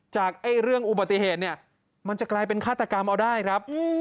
จากเรื่องอุบัติเหตุเนี่ยมันจะกลายเป็นฆาตกรรมเอาได้ครับ